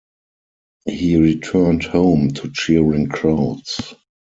He returned home to cheering crowds.